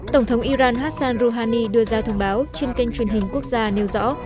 tổng thống iran hassan rouhani đưa ra thông báo trên kênh truyền hình quốc gia nêu rõ